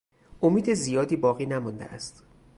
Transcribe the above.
امید زیادی باقی نمانده است.